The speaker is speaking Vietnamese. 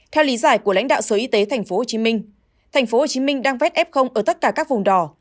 theo lý giải của lãnh đạo sở y tế tp hcm tp hcm đang vét f ở tất cả các vùng đỏ